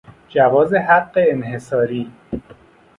جواز حق انحصاری